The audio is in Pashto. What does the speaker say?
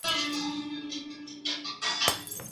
ډاکټر د لوړ ږغ سره پاڼه ړنګوي.